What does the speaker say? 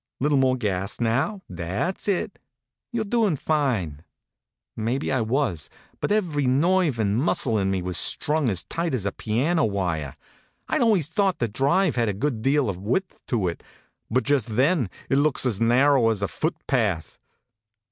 Little more gas now. That s it! You re doing fine." Maybe I was; but every nerve and mus cle in me was strung as tight as a piano wire. I d always thought the Drive had a good deal of width to it; but just then it looks as narrow as a footpath.